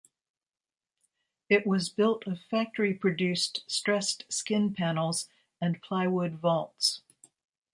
It was built of factory-produced stressed skin panels and plywood vaults.